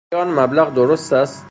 آیا آن مبلغ درست است ؟